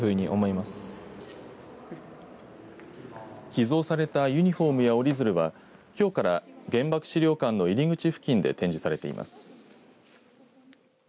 寄贈されたユニフォームや折り鶴はきょうから原爆資料館の入り口付近で展示されています。